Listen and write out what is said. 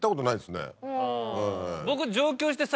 僕。